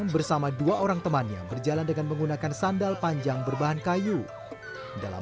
bersama dua orang temannya berjalan dengan menggunakan sandal panjang berbahan kayu dalam